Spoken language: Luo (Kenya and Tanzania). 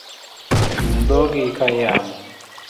Umdhogi ka iyamo